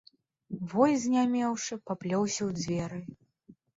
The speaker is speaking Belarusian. Войт, знямеўшы, паплёўся ў дзверы.